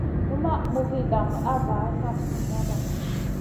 Numaʼ muzi dam a var kam duniyada.